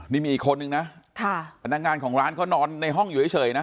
นางงานของร้านเขานอนในห้องอยู่เฉยนะ